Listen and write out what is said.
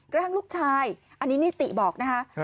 กระทั่งลูกชายอันนี้นิติบอกนะคะ